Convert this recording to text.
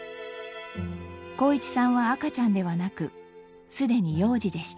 航一さんは赤ちゃんではなくすでに幼児でした。